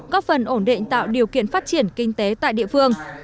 góp phần ổn định tạo điều kiện phát triển kinh tế tại địa phương